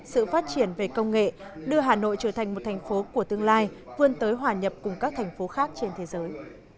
sự phát triển về công nghệ đưa hà nội trở thành một thành phố của tương lai vươn tới hòa nhập cùng các thành phố khác trên thế giới